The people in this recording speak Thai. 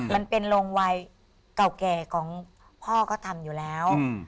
มันเป็นโรงวัยเก่าแก่ของพ่อก็ทำอยู่แล้ว